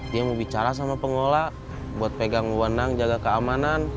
dia mau bicara sama pengolah buat pegang wanang jaga keamanan